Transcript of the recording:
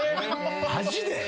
マジで？